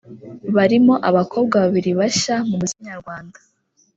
barimo abakobwa babiri bashya mu muziki nyarwanda